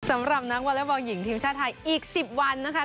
สำหรับนักวอเล็กบอลหญิงทีมชาติไทยอีก๑๐วันนะคะ